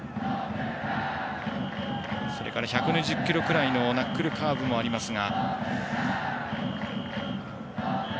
それから１２０キロくらいのナックルカーブもありますが。